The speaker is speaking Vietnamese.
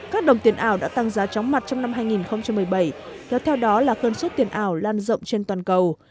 các đồng tiền ảo đã tăng giá tróng mặt trong năm hai nghìn một mươi bảy do theo đó là cơn suất tiền ảo lan rộng trên toàn cầu